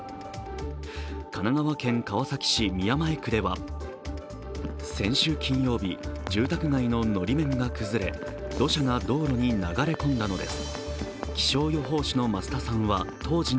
神奈川県川崎・宮前区では、先週金曜日、住宅街ののり面が崩れ、土砂が道路に流れ込んだのです。